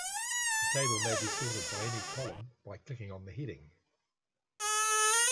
The table may be sorted by any column by clicking on the heading.